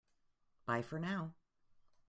Bye for now!